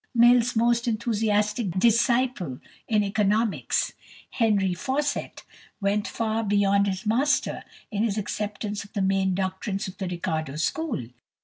Mill's most enthusiastic disciple in economics, =Henry Fawcett (1833 1884)=, went far beyond his master in his acceptance of the main doctrines of the Ricardo school.